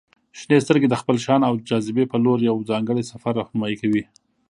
• شنې سترګې د خپل شان او جاذبې په لور یو ځانګړی سفر رهنمائي کوي.